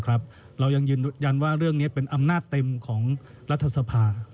เรายังยืนยันว่าเรื่องนี้เป็นอำนาจเต็มของรัฐสภา